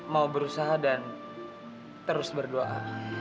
mau berusaha dan terus berdoa